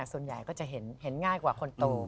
ส่วนใหญ่ก็จะเห็นง่ายกว่าคนโต